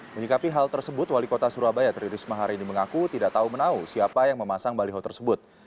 menyikapi hal tersebut wali kota surabaya tri risma hari ini mengaku tidak tahu menahu siapa yang memasang baliho tersebut